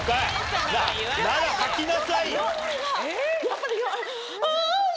やっぱり？あ！